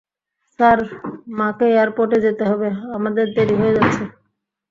Sir, মাকে এয়ারপোর্টে যেতে হবে, আমাদের দেরি হয়ে যাচ্ছে।